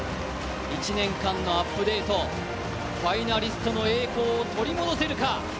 １年間のアップデート、ファイナリストの栄光を取り戻せるか。